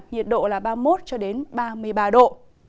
nhiệt độ là ba mươi một ba mươi ba độ